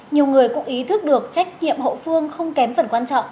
nhiều người cũng ý thức được trách nhiệm hậu phương không kém phần quan trọng